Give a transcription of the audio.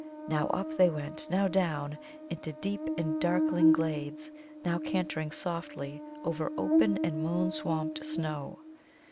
Now up they went, now down, into deep and darkling glades, now cantering softly over open and moon swamped snow.